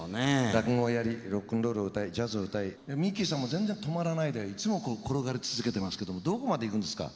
落語をやりロックンロ−ルを歌いジャズを歌いミッキ−さんも全然止まらないでいつも転がり続けてますけどもどこまで行くんですか？